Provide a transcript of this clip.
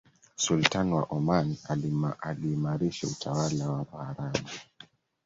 sultan wa oman aliimarisha utawala wa waarabu